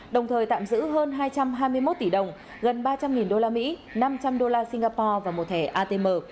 đồng thời tạm giữ hơn hai trăm hai mươi một tỷ đồng gần ba trăm linh usd năm trăm linh đô la singapore và một thẻ atm